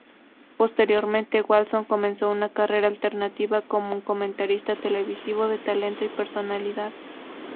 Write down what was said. Posteriormente, Walsh comenzó una carrera alternativa como un comentarista televisivo de talento y personalidad.